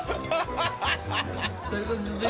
ハハハハ！